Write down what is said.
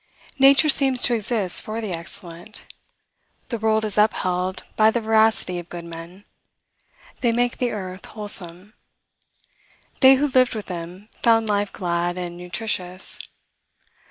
Nature seems to exist for the excellent. The world is upheld by the veracity of good men: they make the earth wholesome. They who lived with them found life glad and nutritious.